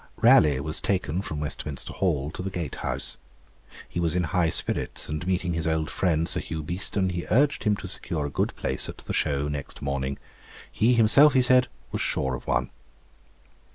Raleigh was taken from Westminster Hall to the Gate House. He was in high spirits, and meeting his old friend Sir Hugh Beeston, he urged him to secure a good place at the show next morning. He himself, he said, was sure of one.